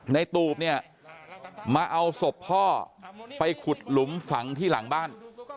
ในตูบเนี่ยมาเอาศพพ่อไปขุดหลุมฝังที่หลังบ้าน